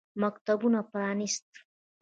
مکتوب پرانیست.